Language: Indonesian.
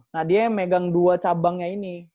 nah dia yang megang dua cabangnya ini